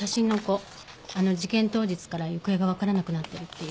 あの事件当日から行方が分からなくなってるっていう。